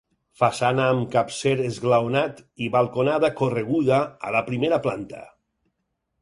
Façana amb capcer esglaonat i balconada correguda a la primera planta.